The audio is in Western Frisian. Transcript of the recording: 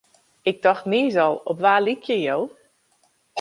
Ik tocht niis al, op wa lykje jo?